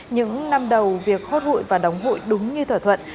những năm đầu việc hốt hụi và đóng hụi đúng như thỏa thuận